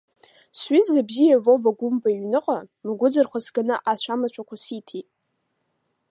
Сҩыза бзиа Вова Гәымба иҩныҟа, Мгәыӡырхәа сганы ацәамаҭәақәа сиҭеит.